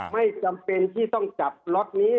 ไม่จำเป็นที่ต้องจับล็อตนี้